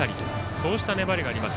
そうした粘りがあります。